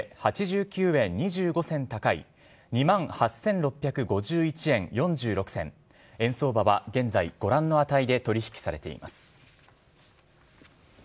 午前の終値は昨日と比べ８９円２５銭高い２万８６５１円４６銭円相場は現在ご覧の値で取引されています。